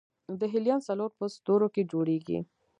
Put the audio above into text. د هیلیم څلور په ستورو کې جوړېږي.